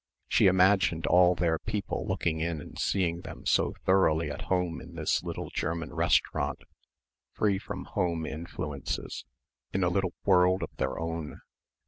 She imagined all their people looking in and seeing them so thoroughly at home in this little German restaurant free from home influences, in a little world of their own.